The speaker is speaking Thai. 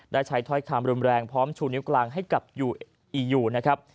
ได้ใช้ถ้อยคำรุนแรงพร้อมชูนิ้วกลางให้กับอียูนะครับ